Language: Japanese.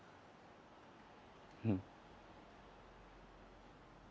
うん。